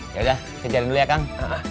yaudah ke jalan dulu ya kang